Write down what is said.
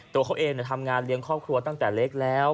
ตัวเขาเองทำงานเลี้ยงครอบครัวตั้งแต่เล็กแล้ว